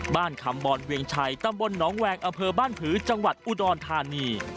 คำบรเวียงชัยตำบลน้องแวงอำเภอบ้านผือจังหวัดอุดรธานี